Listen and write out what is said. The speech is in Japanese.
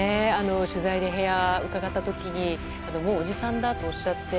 取材で部屋にうかがった時にもうおじさんだっておっしゃって。